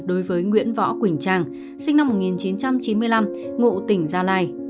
đối với nguyễn võ quỳnh trang sinh năm một nghìn chín trăm chín mươi năm ngụ tỉnh gia lai